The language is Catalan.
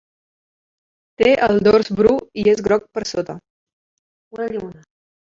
Té el dors bru i és groc per sota.